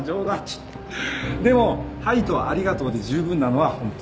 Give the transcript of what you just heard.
でも「はい」と「ありがとう」で十分なのはホント。